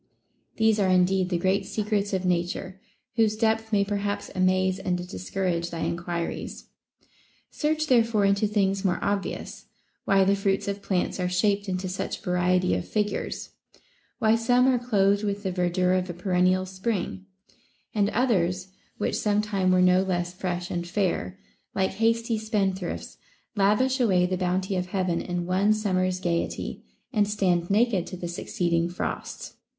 * These are indeed the great secrets of Nature, whose depth may perhaps amaze and discourage thy enquiries. Search therefore into things more obvious, — why the fruits of plants are shaped into such variety of figures ; why some are clothed with the verdure of a perennial spring, and others, which sometime were no less fresh and fair, like hasty spendthrifts, lavish away the bounty of Heaven in one summers gayety, and stand naked to the succeed ing frosts.